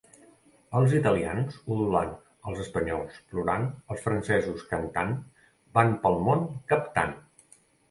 Els italians, udolant, els espanyols, plorant, els francesos, cantant, van pel món captant.